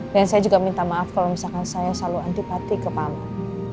dan saya juga minta maaf kalau misalkan saya selalu antipati ke pak amar